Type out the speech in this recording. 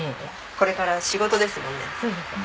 これから仕事ですもんね。